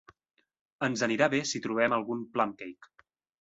Ens anirà bé si trobem algun plum-cake.